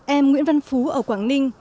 em nguyễn văn phú ở quảng ninh